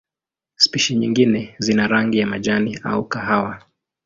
Spishi nyingine zina rangi ya majani au kahawa.